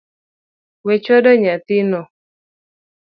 We chwado nyathi no